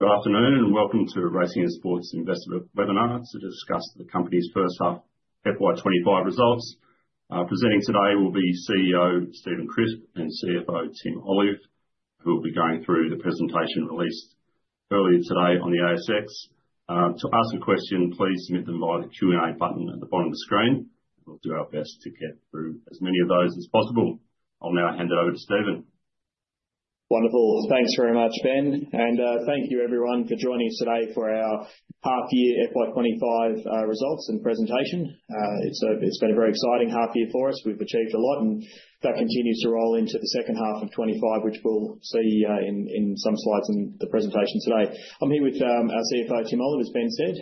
Good afternoon, and welcome to the Racing and Sports Investor Webinar to discuss the company's first-half FY 2025 results. Presenting today will be CEO Stephen Crispe and CFO Tim Olive, who will be going through the presentation released earlier today on the ASX. To ask a question, please submit them via the Q&A button at the bottom of the screen. We'll do our best to get through as many of those as possible. I'll now hand it over to Stephen. Wonderful. Thanks very much, Ben, and thank you, everyone, for joining us today for our half-year FY 2025 results and presentation. It's been a very exciting half-year for us. We've achieved a lot, and that continues to roll into the second half of 2025, which we'll see in some slides in the presentation today. I'm here with our CFO, Tim Olive, as Ben said.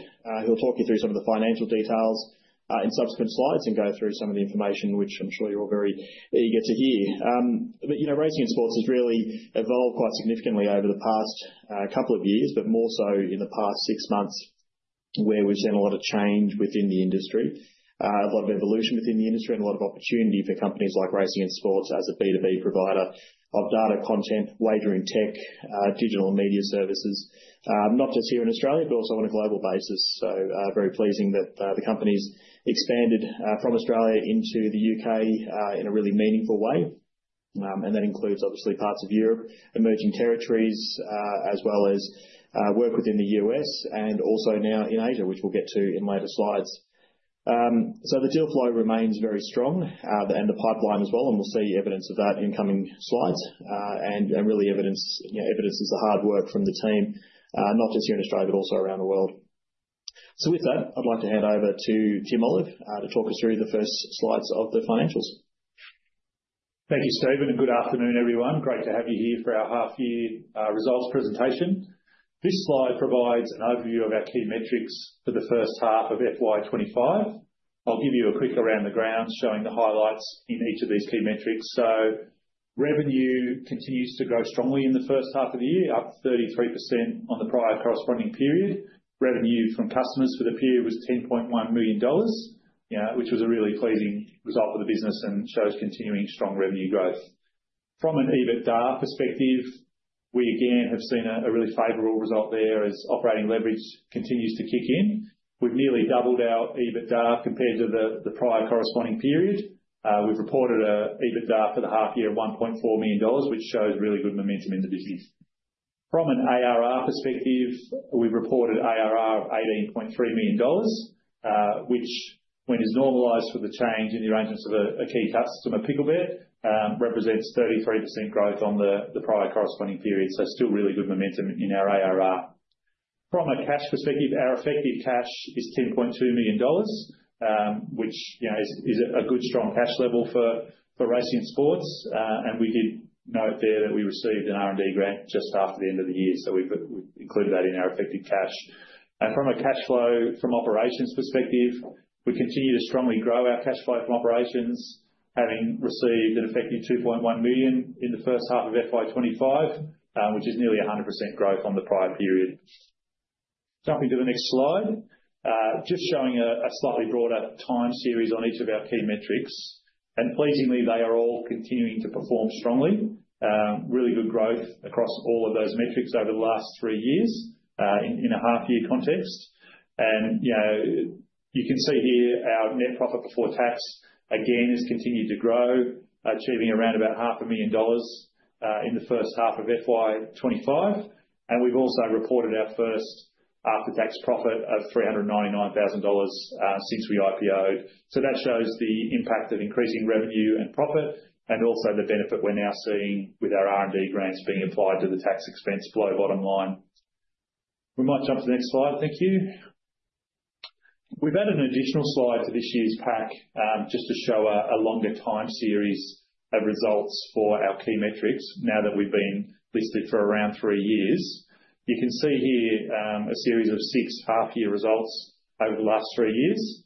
He'll talk you through some of the financial details in subsequent slides and go through some of the information which I'm sure you're all very eager to hear. Racing and Sports has really evolved quite significantly over the past couple of years, but more so in the past six months, where we've seen a lot of change within the industry, a lot of evolution within the industry, and a lot of opportunity for companies like Racing and Sports as a B2B provider of data content, wagering tech, digital and media services, not just here in Australia, but also on a global basis. Very pleasing that the company's expanded from Australia into the U.K. in a really meaningful way. That includes, obviously, parts of Europe, emerging territories, as well as work within the U.S., and also now in Asia, which we'll get to in later slides. So the deal flow remains very strong and the pipeline as well, and we'll see evidence of that in coming slides, and really evidence is the hard work from the team, not just here in Australia, but also around the world. So with that, I'd like to hand over to Tim Olive to talk us through the first slides of the financials. Thank you, Stephen, and good afternoon, everyone. Great to have you here for our half-year results presentation. This slide provides an overview of our key metrics for the first half of FY 2025. I'll give you a quick around the ground showing the highlights in each of these key metrics, so revenue continues to grow strongly in the first half of the year, up 33% on the prior corresponding period. Revenue from customers for the period was 10.1 million dollars, which was a really pleasing result for the business and shows continuing strong revenue growth. From an EBITDA perspective, we again have seen a really favorable result there as operating leverage continues to kick in. We've nearly doubled our EBITDA compared to the prior corresponding period. We've reported an EBITDA for the half-year of 1.4 million dollars, which shows really good momentum in the business. From an ARR perspective, we've reported ARR of 18.3 million dollars, which, when it's normalized for the change in the arrangements of a key customer Picklebet, represents 33% growth on the prior corresponding period. So still really good momentum in our ARR. From a cash perspective, our effective cash is 10.2 million dollars, which is a good strong cash level for Racing and Sports. And we did note there that we received an R&D grant just after the end of the year, so we've included that in our effective cash. And from a cash flow, from operations perspective, we continue to strongly grow our cash flow from operations, having received an effective 2.1 million in the first half of FY 2025, which is nearly 100% growth on the prior period. Jumping to the next slide, just showing a slightly broader time series on each of our key metrics. Pleasingly, they are all continuing to perform strongly. Really good growth across all of those metrics over the last three years in a half-year context. You can see here our net profit before tax, again, has continued to grow, achieving around about $500,000 in the first half of FY 2025. We've also reported our first after-tax profit of $399,000 since we IPOed. That shows the impact of increasing revenue and profit, and also the benefit we're now seeing with our R&D grants being applied to the tax expense below bottom line. We might jump to the next slide. Thank you. We've added an additional slide to this year's pack just to show a longer time series of results for our key metrics now that we've been listed for around three years. You can see here a series of six half-year results over the last three years.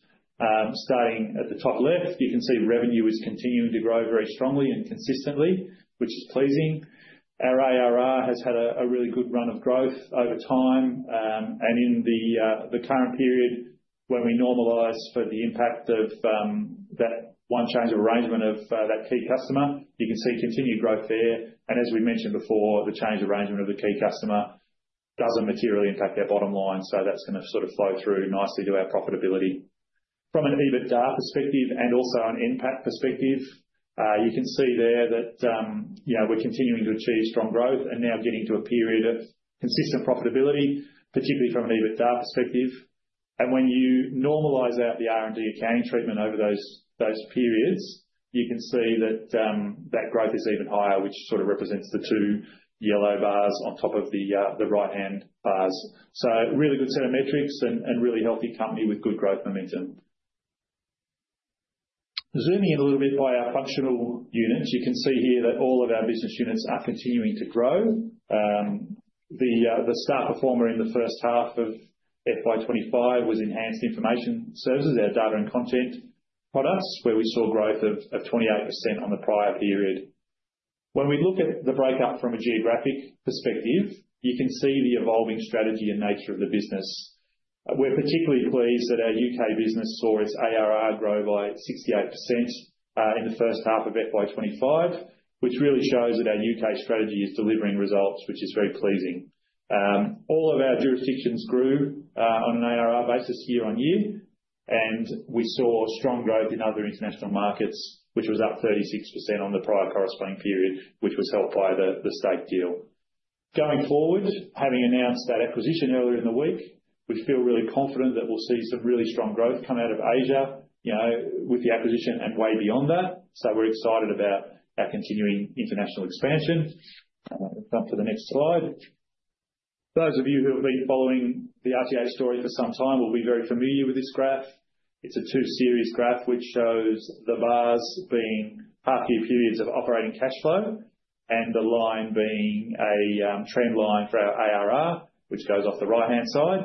Starting at the top left, you can see revenue is continuing to grow very strongly and consistently, which is pleasing. Our ARR has had a really good run of growth over time. And in the current period, when we normalize for the impact of that one change of arrangement of that key customer, you can see continued growth there. And as we mentioned before, the change of arrangement of the key customer doesn't materially impact their bottom line, so that's going to sort of flow through nicely to our profitability. From an EBITDA perspective and also an impact perspective, you can see there that we're continuing to achieve strong growth and now getting to a period of consistent profitability, particularly from an EBITDA perspective. And when you normalize out the R&D accounting treatment over those periods, you can see that that growth is even higher, which sort of represents the two yellow bars on top of the right-hand bars. So really good set of metrics and a really healthy company with good growth momentum. Zooming in a little bit by our functional units, you can see here that all of our business units are continuing to grow. The star performer in the first half of FY 2025 was Enhanced Information Services, our data and content products, where we saw growth of 28% on the prior period. When we look at the breakdown from a geographic perspective, you can see the evolving strategy and nature of the business. We're particularly pleased that our U.K. business saw its ARR grow by 68% in the first half of FY 2025, which really shows that our U.K. strategy is delivering results, which is very pleasing. All of our jurisdictions grew on an ARR basis year on year, and we saw strong growth in other international markets, which was up 36% on the prior corresponding period, which was helped by the Stake deal. Going forward, having announced that acquisition earlier in the week, we feel really confident that we'll see some really strong growth come out of Asia with the acquisition and way beyond that. So we're excited about our continuing international expansion. Jump to the next slide. Those of you who have been following the RAS story for some time will be very familiar with this graph. It's a two-series graph, which shows the bars being half-year periods of operating cash flow and the line being a trend line for our ARR, which goes off the right-hand side.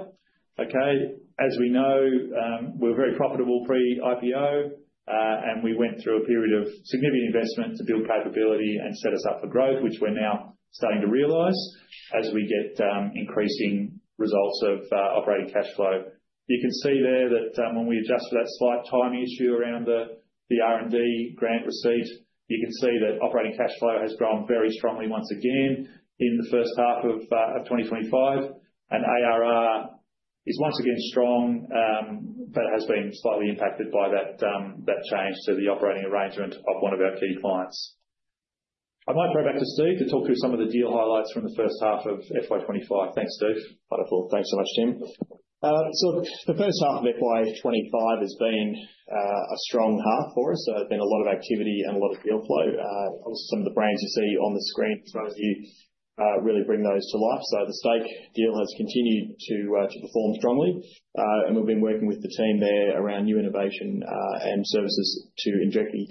Okay, as we know, we're very profitable pre-IPO, and we went through a period of significant investment to build capability and set us up for growth, which we're now starting to realize as we get increasing results of operating cash flow. You can see there that when we adjust for that slight timing issue around the R&D grant receipt, you can see that operating cash flow has grown very strongly once again in the first half of 2025, and ARR is once again strong, but has been slightly impacted by that change to the operating arrangement of one of our key clients. I might throw back to Steve to talk through some of the deal highlights from the first half of FY 2025. Thanks, Steve. Wonderful. Thanks so much, Tim. So the first half of FY 2025 has been a strong half for us. There's been a lot of activity and a lot of deal flow. Some of the brands you see on the screen in front of you really bring those to life. So the Stake deal has continued to perform strongly, and we've been working with the team there around new innovation and services to directly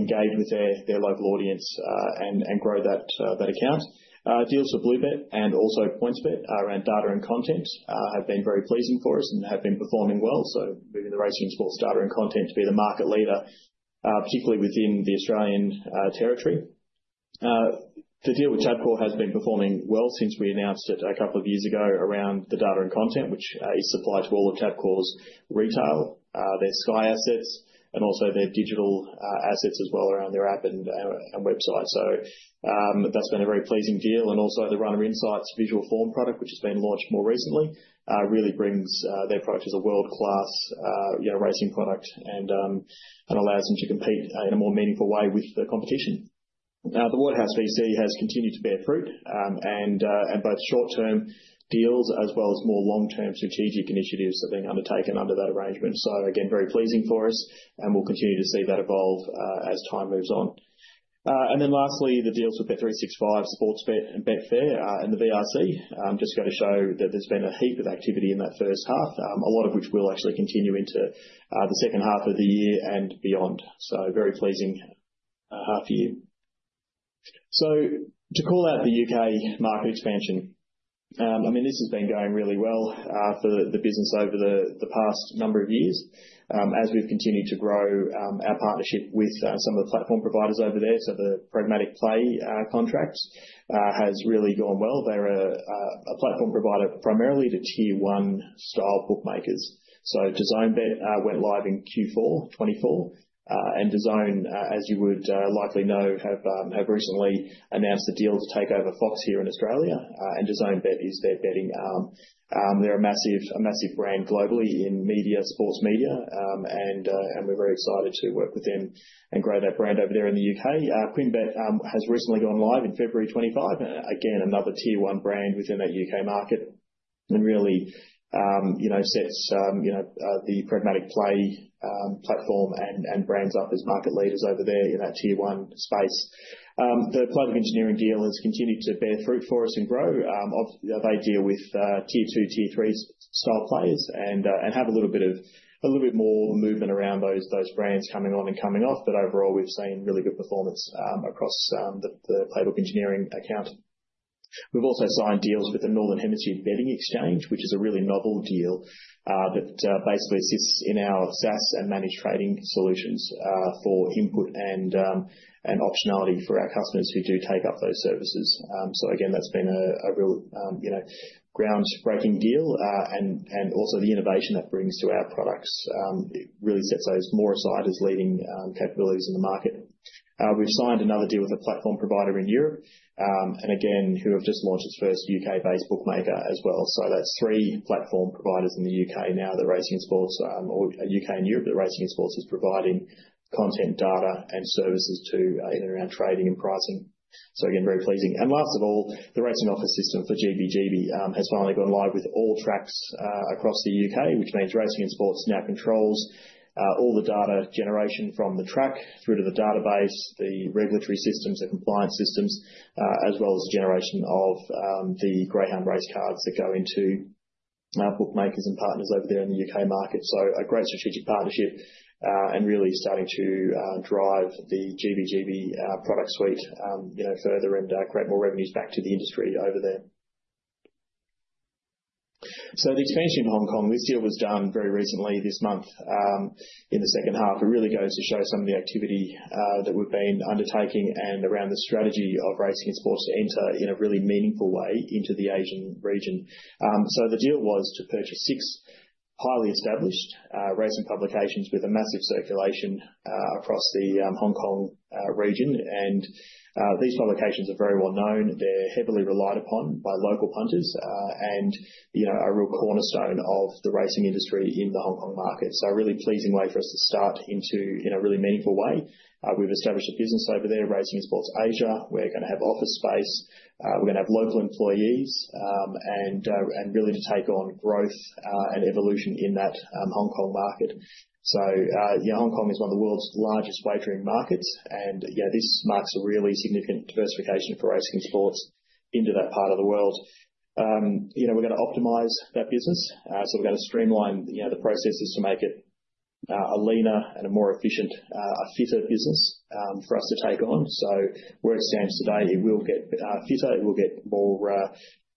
engage with their local audience and grow that account. Deals for BlueBet and also PointsBet around data and content have been very pleasing for us and have been performing well. So moving the Racing and Sports data and content to be the market leader, particularly within the Australian territory. The deal with Tabcorp has been performing well since we announced it a couple of years ago around the data and content, which is supplied to all of Tabcorp's retail, their Sky assets, and also their digital assets as well around their app and website, so that's been a very pleasing deal, and also the Runner Insights visual form product, which has been launched more recently, really brings their product as a world-class racing product and allows them to compete in a more meaningful way with the competition. Now, the Waterhouse VC has continued to bear fruit, and both short-term deals as well as more long-term strategic initiatives have been undertaken under that arrangement, so again, very pleasing for us, and we'll continue to see that evolve as time moves on. And then lastly, the deals with Bet365, Sportsbet, and Betfair, and the VRC just go to show that there's been a heap of activity in that first half, a lot of which will actually continue into the second half of the year and beyond. So very pleasing half-year. So to call out the U.K. market expansion, I mean, this has been going really well for the business over the past number of years. As we've continued to grow our partnership with some of the platform providers over there, so the Pragmatic Play contracts has really gone well. They're a platform provider primarily to tier-one style bookmakers. So DAZN Bet went live in Q4 2024, and DAZN, as you would likely know, have recently announced a deal to take over Fox here in Australia, and DAZN Bet is their betting. They're a massive brand globally in sports media, and we're very excited to work with them and grow that brand over there in the U.K. QuinnBet has recently gone live in February 2025, again, another tier-one brand within that U.K. market, and really sets the Pragmatic Play platform and brands up as market leaders over there in that tier-one space. The Playbook Engineering deal has continued to bear fruit for us and grow. They deal with tier-two, tier-three style players and have a little bit more movement around those brands coming on and coming off, but overall, we've seen really good performance across the Playbook Engineering account. We've also signed deals with the Northern Hemisphere betting exchange, which is a really novel deal that basically sits in our SaaS and managed trading solutions for input and optionality for our customers who do take up those services. So again, that's been a real groundbreaking deal, and also the innovation that brings to our products really sets those more aside as leading capabilities in the market. We've signed another deal with a platform provider in Europe, and again, who have just launched its first U.K.-based bookmaker as well. So that's three platform providers in the U.K. now. The Racing and Sports U.K. and Europe, the Racing and Sports is providing content, data, and services to either around trading and pricing. So again, very pleasing. And last of all, the racing office system for GBGB has finally gone live with all tracks across the U.K., which means Racing and Sports now controls all the data generation from the track through to the database, the regulatory systems, the compliance systems, as well as the generation of the Greyhound race cards that go into bookmakers and partners over there in the U.K. market. So a great strategic partnership and really starting to drive the GBGB product suite further and create more revenues back to the industry over there. So the expansion in Hong Kong, this deal was done very recently this month in the second half. It really goes to show some of the activity that we've been undertaking and around the strategy of Racing and Sports to enter in a really meaningful way into the Asian region. The deal was to purchase six highly established racing publications with a massive circulation across the Hong Kong region. These publications are very well known. They are heavily relied upon by local punters and a real cornerstone of the racing industry in the Hong Kong market. This is a really pleasing way for us to start in a really meaningful way. We have established a business over there, Racing and Sports Asia. We are going to have office space. We are going to have local employees and really to take on growth and evolution in that Hong Kong market. Hong Kong is one of the world's largest wagering markets, and this marks a really significant diversification for Racing and Sports into that part of the world. We are going to optimize that business. So we're going to streamline the processes to make it a leaner and a more efficient, a fitter business for us to take on. So where it stands today, it will get fitter. It will get more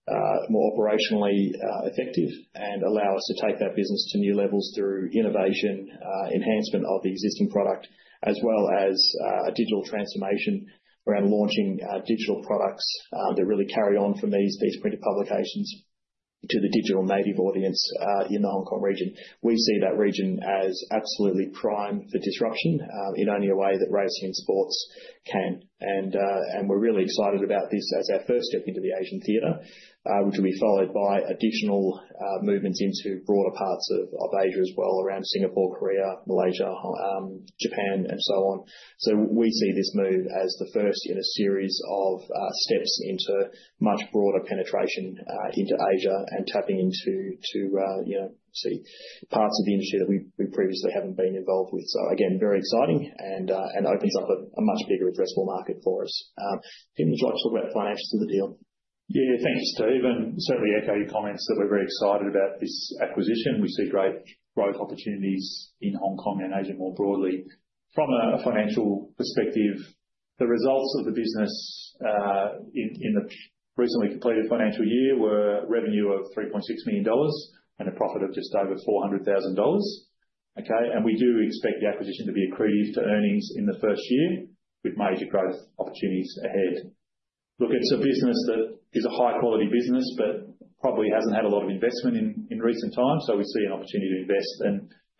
operationally effective and allow us to take that business to new levels through innovation, enhancement of the existing product, as well as a digital transformation around launching digital products that really carry on from these printed publications to the digital native audience in the Hong Kong region. We see that region as absolutely prime for disruption in only a way that Racing and Sports can. And we're really excited about this as our first step into the Asian theater, which will be followed by additional movements into broader parts of Asia as well around Singapore, Korea, Malaysia, Japan, and so on. So we see this move as the first in a series of steps into much broader penetration into Asia and tapping into parts of the industry that we previously haven't been involved with. So again, very exciting, and it opens up a much bigger addressable market for us. Tim, would you like to talk about the financials of the deal? Yeah, thank you, Steve. And certainly echo your comments that we're very excited about this acquisition. We see great growth opportunities in Hong Kong and Asia more broadly. From a financial perspective, the results of the business in the recently completed financial year were revenue of 3.6 million dollars and a profit of just over 400,000 dollars. Okay, and we do expect the acquisition to be accretive to earnings in the first year with major growth opportunities ahead. Look, it's a business that is a high-quality business, but probably hasn't had a lot of investment in recent time. So we see an opportunity to invest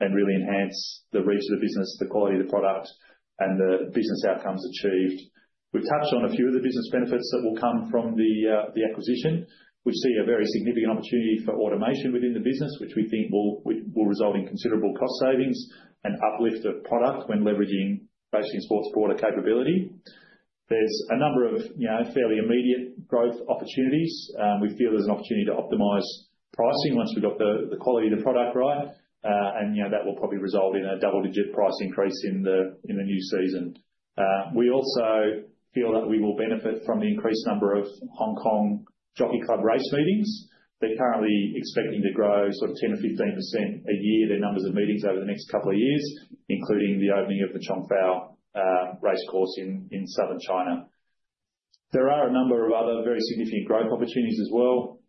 and really enhance the reach of the business, the quality of the product, and the business outcomes achieved. We've touched on a few of the business benefits that will come from the acquisition. We see a very significant opportunity for automation within the business, which we think will result in considerable cost savings and uplift of product when leveraging Racing and Sports broader capability. There's a number of fairly immediate growth opportunities. We feel there's an opportunity to optimize pricing once we've got the quality of the product right, and that will probably result in a double-digit price increase in the new season. We also feel that we will benefit from the increased number of Hong Kong Jockey Club race meetings. They're currently expecting to grow sort of 10% to 15% a year, their numbers of meetings over the next couple of years, including the opening of the Conghua Racecourse in southern China. There are a number of other very significant growth opportunities as well.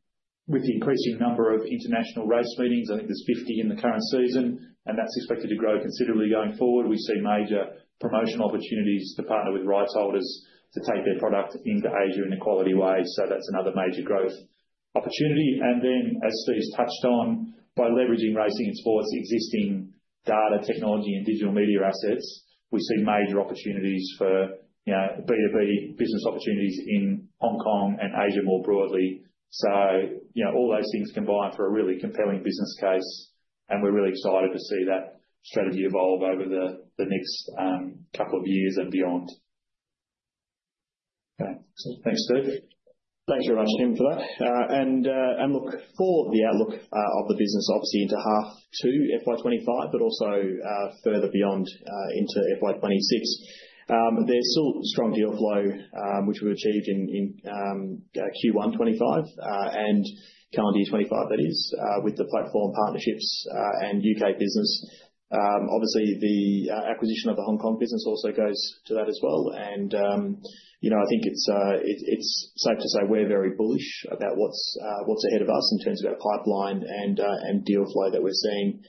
With the increasing number of international race meetings, I think there's 50 in the current season, and that's expected to grow considerably going forward. We see major promotional opportunities to partner with rights holders to take their product into Asia in a quality way. So that's another major growth opportunity. And then, as Steve's touched on, by leveraging Racing and Sports' existing data, technology, and digital media assets, we see major opportunities for B2B business opportunities in Hong Kong and Asia more broadly. So all those things combine for a really compelling business case, and we're really excited to see that strategy evolve over the next couple of years and beyond. Okay, thanks, Steve. Thanks very much, Tim, for that, and look, for the outlook of the business, obviously into half to FY 2025, but also further beyond into FY 2026, there's still strong deal flow, which we've achieved in Q1 2025 and current year 2025, that is, with the platform partnerships and U.K. business. Obviously, the acquisition of the Hong Kong business also goes to that as well, and I think it's safe to say we're very bullish about what's ahead of us in terms of our pipeline and deal flow that we're seeing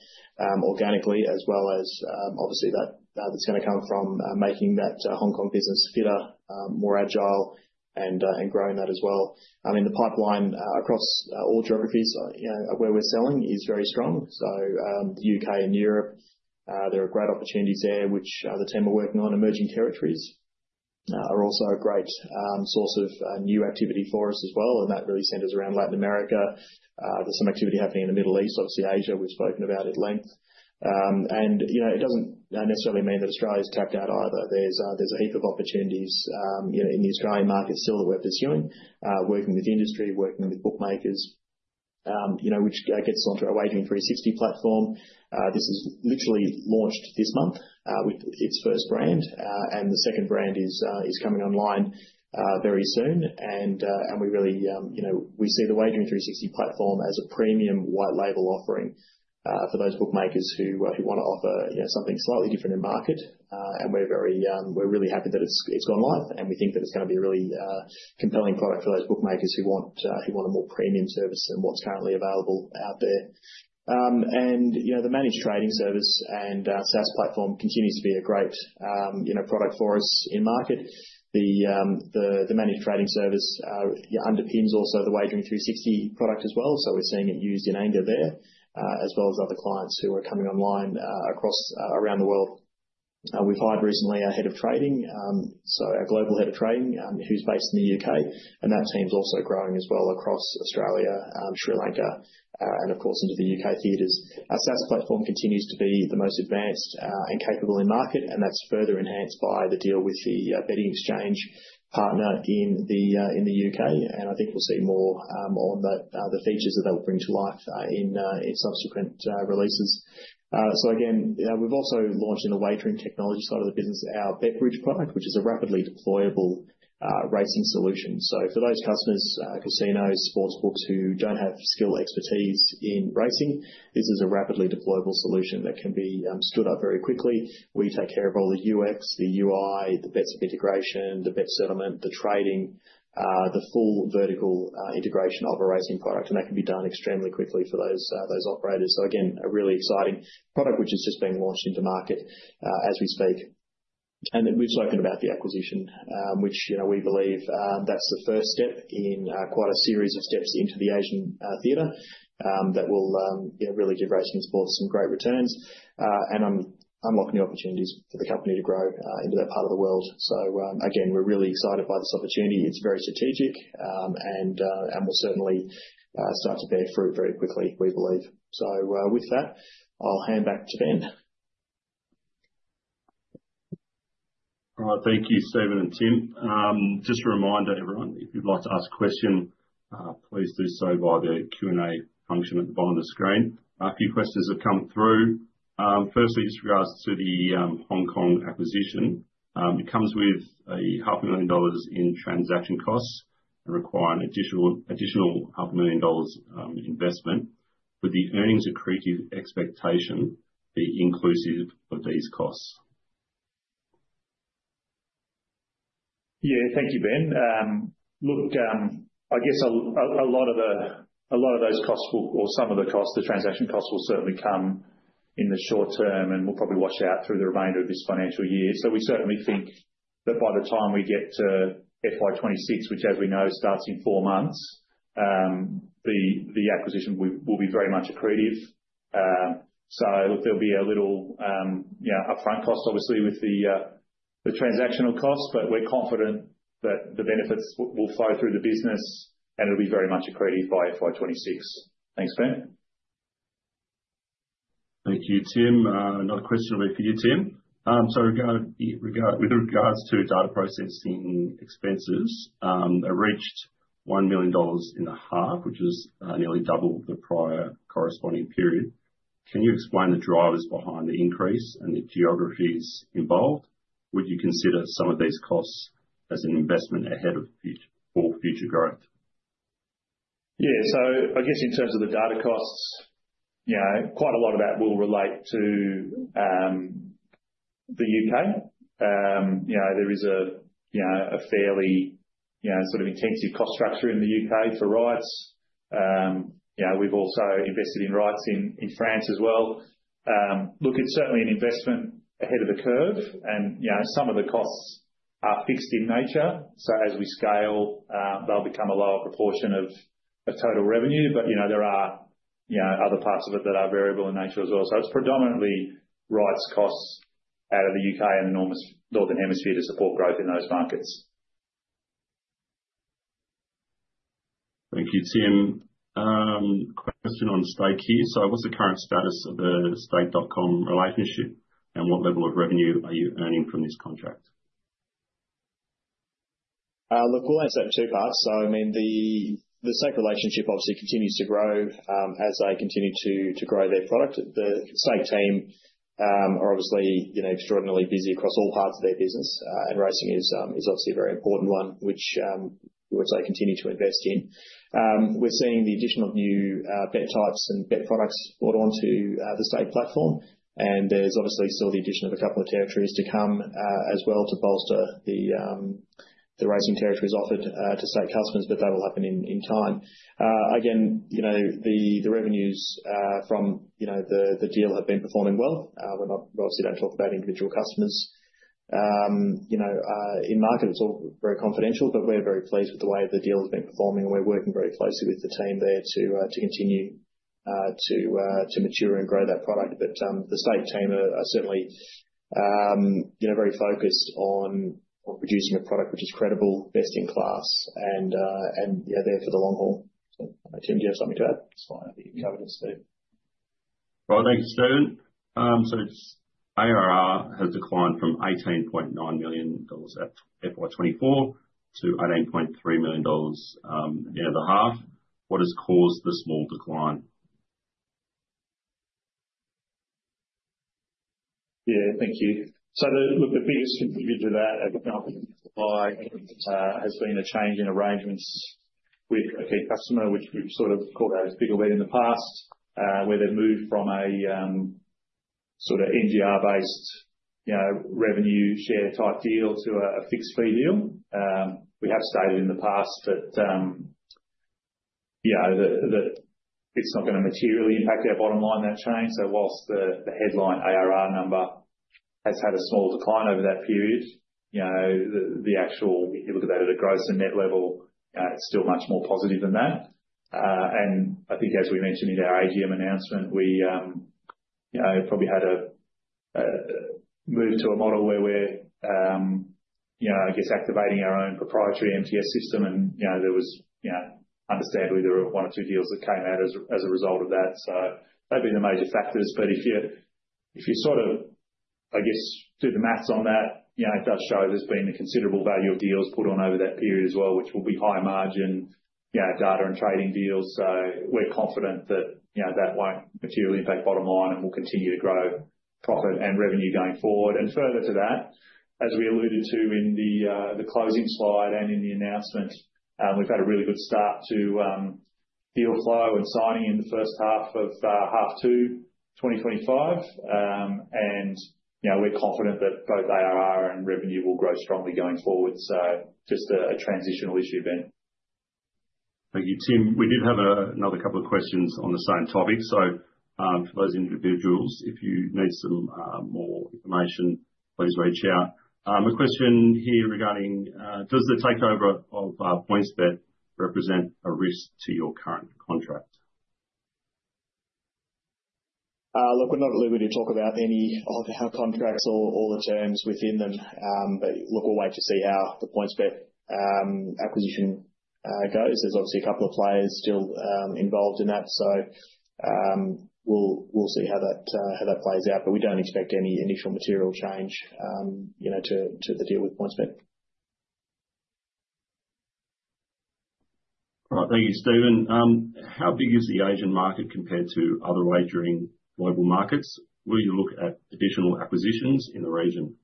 organically, as well as obviously that's going to come from making that Hong Kong business fitter, more agile, and growing that as well. I mean, the pipeline across all geographies where we're selling is very strong, so the U.K. and Europe, there are great opportunities there, which the team are working on. Emerging territories are also a great source of new activity for us as well. And that really centers around Latin America. There's some activity happening in the Middle East, obviously Asia we've spoken about at length. And it doesn't necessarily mean that Australia is tapped out either. There's a heap of opportunities in the Australian market still that we're pursuing, working with industry, working with bookmakers, which gets onto our Wagering 360 platform. This is literally launched this month with its first brand, and the second brand is coming online very soon. And we really see the Wagering 360 platform as a premium white-label offering for those bookmakers who want to offer something slightly different in market. And we're really happy that it's gone live, and we think that it's going to be a really compelling product for those bookmakers who want a more premium service than what's currently available out there. The managed trading service and SaaS platform continues to be a great product for us in market. The managed trading service underpins also the Wagering 360 product as well. So we're seeing it used in anger there, as well as other clients who are coming online across around the world. We've hired recently a head of trading, so a global head of trading who's based in the U.K., and that team's also growing as well across Australia, Sri Lanka, and of course into the U.K. theaters. Our SaaS platform continues to be the most advanced and capable in market, and that's further enhanced by the deal with the betting exchange partner in the U.K. I think we'll see more on the features that they'll bring to life in subsequent releases. We've also launched in the wagering technology side of the business, our BetBridge product, which is a rapidly deployable racing solution. For those customers, casinos, sports books who don't have skilled expertise in racing, this is a rapidly deployable solution that can be stood up very quickly. We take care of all the UX, the UI, the bet integration, the bet settlement, the trading, the full vertical integration of a racing product, and that can be done extremely quickly for those operators. A really exciting product which is just being launched into the market as we speak. We've spoken about the acquisition, which we believe that's the first step in quite a series of steps into the Asian theater that will really give Racing and Sports some great returns and unlock new opportunities for the company to grow into that part of the world. Again, we're really excited by this opportunity. It's very strategic, and we'll certainly start to bear fruit very quickly, we believe. With that, I'll hand back to Ben. All right, thank you, Stephen and Tim. Just a reminder, everyone, if you'd like to ask a question, please do so via the Q&A function at the bottom of the screen. A few questions have come through. Firstly, just regards to the Hong Kong acquisition, it comes with 500,000 dollars in transaction costs and requiring an additional 500,000 dollars investment, would the earnings accretive expectation be inclusive of these costs? Yeah, thank you, Ben. Look, I guess a lot of those costs or some of the costs, the transaction costs will certainly come in the short term and will probably wash out through the remainder of this financial year. So we certainly think that by the time we get to FY 2026, which as we know starts in four months, the acquisition will be very much accretive. So there'll be a little upfront cost, obviously, with the transactional costs, but we're confident that the benefits will flow through the business and it'll be very much accretive by FY 2026. Thanks, Ben. Thank you, Tim. Another question will be for you, Tim. So with regards to data processing expenses, they reached $1.5 million, which was nearly double the prior corresponding period. Can you explain the drivers behind the increase and the geographies involved? Would you consider some of these costs as an investment ahead of future growth? Yeah, so I guess in terms of the data costs, quite a lot of that will relate to the U.K. There is a fairly sort of intensive cost structure in the U.K. for rights. We've also invested in rights in France as well. Look, it's certainly an investment ahead of the curve, and some of the costs are fixed in nature. So as we scale, they'll become a lower proportion of total revenue, but there are other parts of it that are variable in nature as well. So it's predominantly rights costs out of the U.K. and the northern hemisphere to support growth in those markets. Thank you, Tim. Question on Stake here. So what's the current status of the Stake.com relationship and what level of revenue are you earning from this contract? Look, we'll answer that in two parts. So I mean, the Stake relationship obviously continues to grow as they continue to grow their product. The Stake team are obviously extraordinarily busy across all parts of their business, and racing is obviously a very important one, which they continue to invest in. We're seeing the addition of new bet types and bet products brought onto the Stake platform, and there's obviously still the addition of a couple of territories to come as well to bolster the racing territories offered to Stake customers, but that will happen in time. Again, the revenues from the deal have been performing well. We obviously don't talk about individual customers. In market, it's all very confidential, but we're very pleased with the way the deal has been performing, and we're working very closely with the team there to continue to mature and grow that product. But the Stake team are certainly very focused on producing a product which is credible, best in class, and there for the long haul. Tim, do you have something to add? That's fine. I think you covered it, Steve. All right, thank you, Stephen. So ARR has declined from 18.9 million dollars at FY 2024 to 18.3 million dollars at the half. What has caused this small decline? Yeah, thank you. So look, the biggest contributor to that has been a change in arrangements with a key customer, which we've sort of called out as Picklebet in the past, where they've moved from a sort of NGR-based revenue share type deal to a fixed fee deal. We have stated in the past that it's not going to materially impact our bottom line that change. So while the headline ARR number has had a small decline over that period, the actual, if you look at that at a gross and net level, it's still much more positive than that. And I think, as we mentioned in our AGM announcement, we probably had a move to a model where we're, I guess, activating our own proprietary MTS system, and there was understandably there were one or two deals that came out as a result of that. So they've been the major factors. But if you sort of, I guess, do the math on that, it does show there's been a considerable value of deals put on over that period as well, which will be high margin data and trading deals. So we're confident that that won't materially impact bottom line and will continue to grow profit and revenue going forward. And further to that, as we alluded to in the closing slide and in the announcement, we've had a really good start to deal flow and signing in the first half of H2 2025. And we're confident that both ARR and revenue will grow strongly going forward. So just a transitional issue, Ben. Thank you, Tim. We did have another couple of questions on the same topic. So for those individuals, if you need some more information, please reach out. A question here regarding, does the takeover of PointsBet represent a risk to your current contract? Look, we're not allowed to talk about any of the contracts or the terms within them, but look, we'll wait to see how the PointsBet acquisition goes. There's obviously a couple of players still involved in that, so we'll see how that plays out. But we don't expect any initial material change to the deal with PointsBet. All right, thank you, Stephen. How big is the Asian market compared to other wagering global markets? Will you look at additional acquisitions in the region?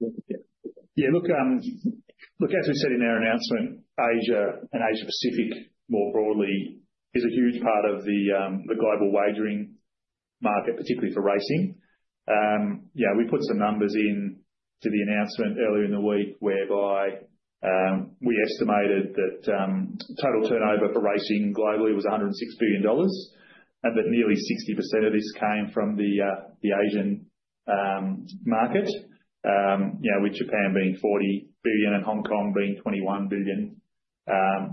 Yeah, look, as we said in our announcement, Asia and Asia-Pacific more broadly is a huge part of the global wagering market, particularly for racing. We put some numbers into the announcement earlier in the week whereby we estimated that total turnover for racing globally was $106 billion, but nearly 60% of this came from the Asian market, with Japan being $40 billion and Hong Kong being $21 billion,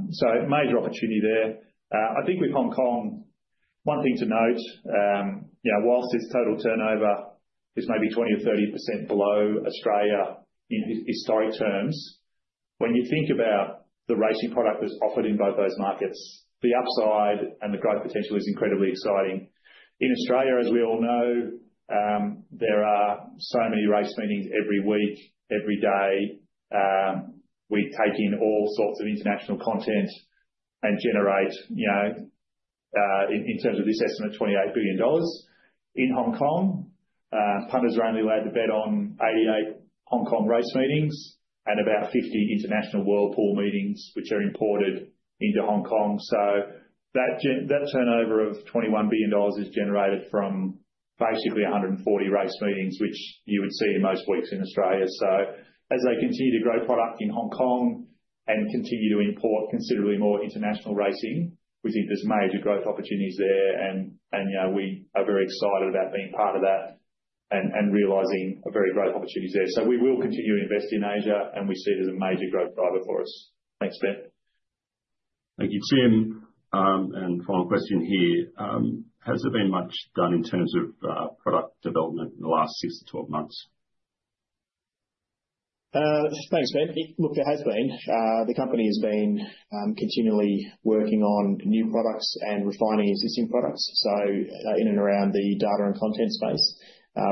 so major opportunity there. I think with Hong Kong, one thing to note, while its total turnover is maybe 20% or 30% below Australia in historic terms, when you think about the racing product that's offered in both those markets, the upside and the growth potential is incredibly exciting. In Australia, as we all know, there are so many race meetings every week, every day. We take in all sorts of international content and generate, in terms of this estimate, AUD 28 billion. In Hong Kong, punters are only allowed to bet on 88 Hong Kong race meetings and about 50 World Pool meetings, which are imported into Hong Kong. So that turnover of 21 billion dollars is generated from basically 140 race meetings, which you would see in most weeks in Australia. So as they continue to grow product in Hong Kong and continue to import considerably more international racing, we think there's major growth opportunities there, and we are very excited about being part of that and realizing a very great opportunity there. So we will continue to invest in Asia, and we see it as a major growth driver for us. Thanks, Ben. Thank you, Tim. And final question here. Has there been much done in terms of product development in the last six to 12 months? Thanks, Ben. Look, there has been. The company has been continually working on new products and refining existing products. So in and around the data and content space,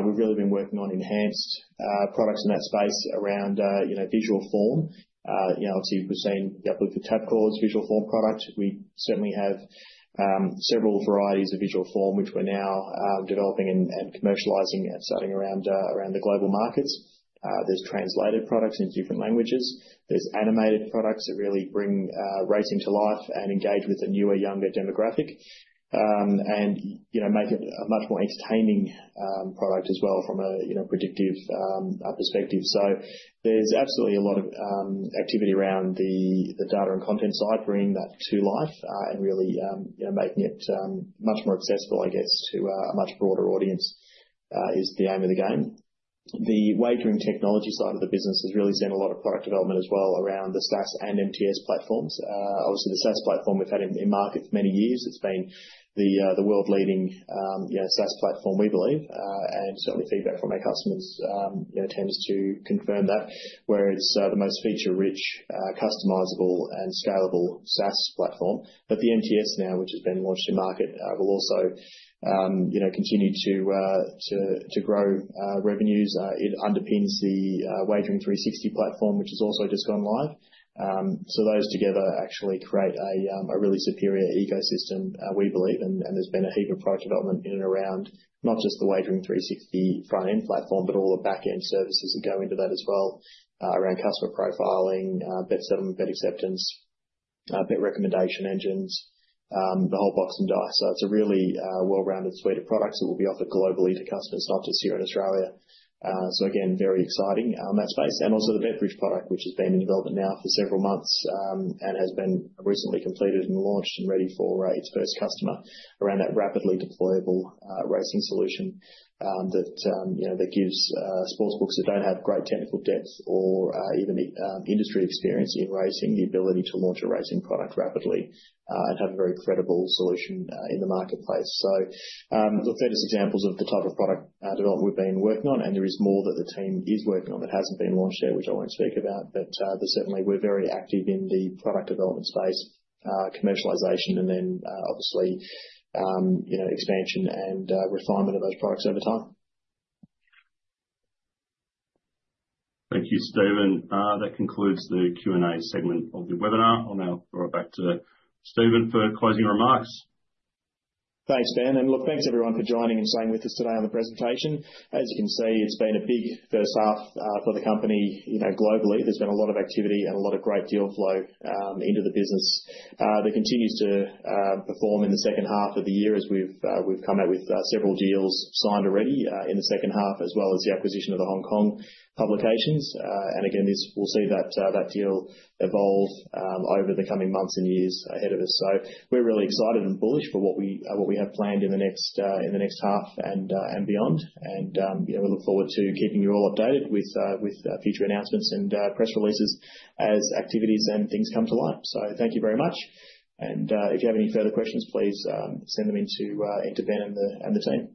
we've really been working on enhanced products in that space around visual form. Obviously, we've seen the rollout for Tabcorp's visual form product. We certainly have several varieties of visual form, which we're now developing and commercializing and selling around the global markets. There's translated products in different languages. There's animated products that really bring racing to life and engage with a newer, younger demographic and make it a much more entertaining product as well from a predictive perspective. So there's absolutely a lot of activity around the data and content side, bringing that to life and really making it much more accessible, I guess, to a much broader audience is the aim of the game. The wagering technology side of the business has really seen a lot of product development as well around the SaaS and MTS platforms. Obviously, the SaaS platform we've had in market for many years. It's been the world-leading SaaS platform, we believe, and certainly feedback from our customers tends to confirm that, where it's the most feature-rich, customizable, and scalable SaaS platform. But the MTS now, which has been launched in market, will also continue to grow revenues. It underpins the Wagering 360 platform, which has also just gone live. So those together actually create a really superior ecosystem, we believe, and there's been a heap of product development in and around not just the Wagering 360 front-end platform, but all the back-end services that go into that as well around customer profiling, bet settlement, bet acceptance, bet recommendation engines, the whole box and dice. So it's a really well-rounded suite of products that will be offered globally to customers, not just here in Australia. So again, very exciting on that space. And also the BetBridge product, which has been in development now for several months and has been recently completed and launched and ready for its first customer around that rapidly deployable racing solution that gives sportsbooks that don't have great technical depth or even industry experience in racing the ability to launch a racing product rapidly and have a very credible solution in the marketplace. So look, they're just examples of the type of product development we've been working on, and there is more that the team is working on that hasn't been launched yet, which I won't speak about, but certainly we're very active in the product development space, commercialization, and then obviously expansion and refinement of those products over time. Thank you, Stephen. That concludes the Q&A segment of the webinar. I'll now throw it back to Stephen for closing remarks. Thanks, Ben. And look, thanks everyone for joining and staying with us today on the presentation. As you can see, it's been a big first half for the company globally. There's been a lot of activity and a lot of great deal flow into the business that continues to perform in the second half of the year as we've come out with several deals signed already in the second half, as well as the acquisition of the Hong Kong publications. And again, we'll see that deal evolve over the coming months and years ahead of us. So we're really excited and bullish for what we have planned in the next half and beyond. And we look forward to keeping you all updated with future announcements and press releases as activities and things come to light. So thank you very much. If you have any further questions, please send them into Ben and the team.